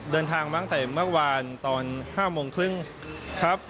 เดินทางมาตั้งแต่เมื่อวานตอน๕โมงครึ่งครับ